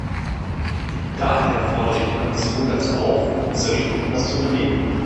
Daher fordere ich die Kommission dazu auf, in dieser Richtung etwas zu unternehmen.